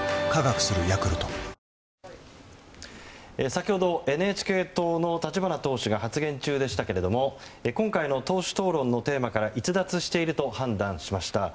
先ほどＮＨＫ党の立花党首が発言中でしたけれども今回の党首討論のテーマから逸脱していると判断しました。